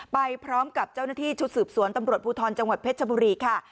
ไปพร้อมกับเจ้าหน้าที่ชุดสืบสวนตำรวจภูทรจังหวัดเพชรชบุรีค่ะ